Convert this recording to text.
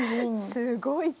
すごい手。